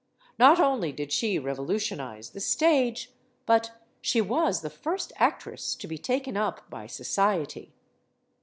Not only did she revolutionize the stage, but she was the first actress to be taken up by society.